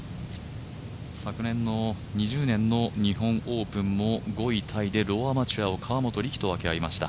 昨年の２０年の日本オープンも５位タイでローアマチュアを分け合いました。